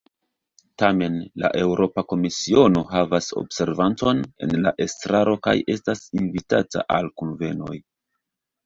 Tamen, la Eŭropa Komisiono havas observanton en la estraro kaj estas invitata al kunvenoj.